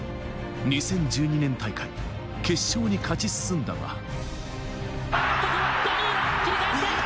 ２０１２年大会、決勝に勝ち進んだのは。